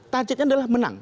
targetnya adalah menang